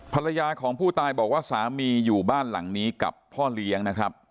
ภรรยาของผู้ตายบอกว่าสามีอยู่บ้านหลังนี้กับพ่อเลี้ยงนะครับ